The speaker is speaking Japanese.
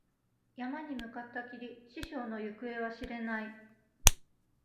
山に向かったきり、師匠の行方は知れない。